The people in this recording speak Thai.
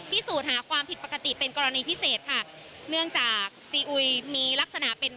พิสูจน์หาความผิดปกติเป็นกรณีพิเศษค่ะเนื่องจากซีอุยมีลักษณะเป็น